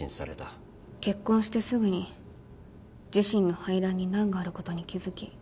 結婚してすぐに自身の排卵に難があることに気付き